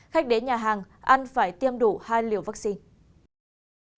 khách đến nhà hàng ăn phải tiêm đủ hai liều vaccine